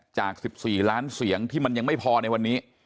จาก๑๔ล้านเสียงที่มันยังไม่พอในวันนี้